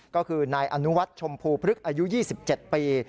ก็คือนายอนุวัฒน์ชมพูพฤกษ์อายุ๒๗ปี